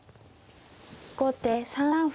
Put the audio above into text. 後手３三歩。